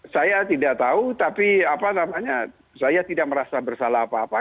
saya tidak tahu tapi apa namanya saya tidak merasa bersalah apa apa